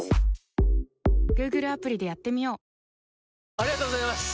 ありがとうございます！